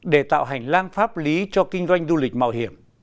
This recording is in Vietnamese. để tạo hành lang pháp lý cho kinh doanh du lịch mạo hiểm